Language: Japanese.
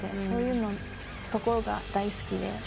そういうところが大好きで。